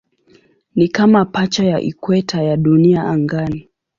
Ni kama pacha ya ikweta ya Dunia angani.